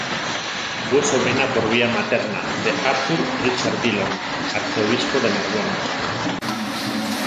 Fue sobrina por vía materna de Arthur Richard Dillon, arzobispo de Narbonne.